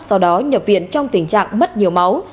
sau đó nhập viện trong tình trạng mất nhiều máu